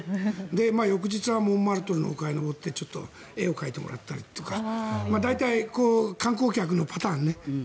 翌日はモンマルトルの丘へ登ってちょっと絵を描いてもらったりとか観光客のパターンね。